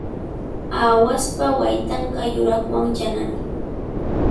Aawaspa waytanqa yuraqwan yanami.